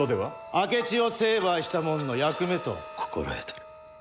明智を成敗したもんの役目と心得とる。